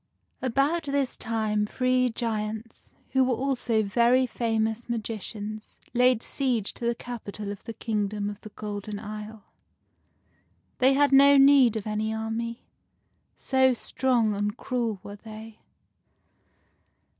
About this time three giants, who were also very famous magicians, laid siege to the capital of the kingdom of the Golden Isle. They had no need of any army, so strong and cruel were they.